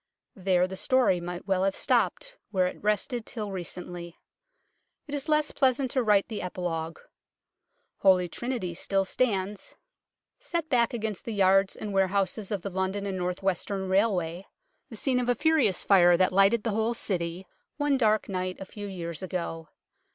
There the story might well have stopped, where it rested till recently. It is less pleasant to write the epilogue. Holy Trinity still stands, set back HEAD OF THE DUKE OF SUFFOLK 15 against the yards and warehouses of the London and North Western Railway, the scene of a furious fire that lighted the whole City one dark night a few years ago.